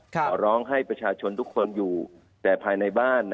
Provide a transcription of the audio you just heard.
ขอร้องให้ประชาชนทุกคนอยู่แต่ภายในบ้าน